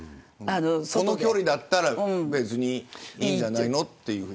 その距離だったら別にいいんじゃないのっていう。